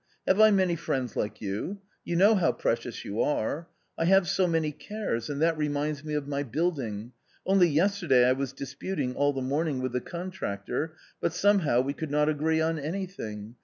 Have I many friends like you? You know how precious you are. 1 have so many cares, and that reminds me of my building. Only yesterday I was disputing all the morning with the contractor, but somehow we could not agree on anything.